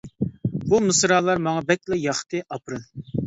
بۇ مىسرالار ماڭا بەكلا ياقتى، ئاپىرىن.